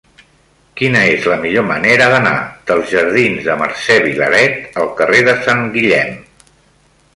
Quina és la millor manera d'anar dels jardins de Mercè Vilaret al carrer de Sant Guillem?